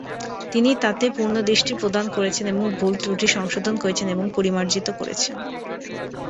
তিনি তাতে পুনঃদৃষ্টি প্রদান করেছেন, ভুল-ত্রুটি সংশোধন করেছেন এবং পরিমার্জিত করেছেন।